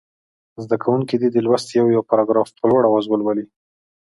زده کوونکي دې د لوست یو یو پاراګراف په لوړ اواز ولولي.